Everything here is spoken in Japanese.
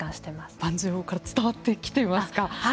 盤上から伝わってきていますか。